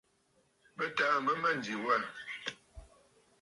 Bɨ tàà mə̂ a mânjì wâ.